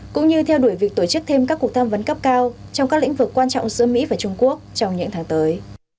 cũng như theo đuổi việc tổ chức thêm các cuộc tham vấn cấp cao trong các lĩnh vực quan trọng giữa mỹ và trung quốc trong những tháng tới